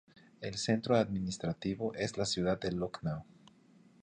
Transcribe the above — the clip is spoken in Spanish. El centro administrativo es la ciudad de Lucknow.